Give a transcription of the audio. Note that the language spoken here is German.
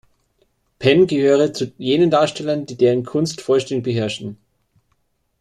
Penn gehöre zu jenen Darstellern, die deren Kunst vollständig beherrschten.